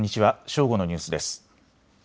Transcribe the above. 正午のニュースです。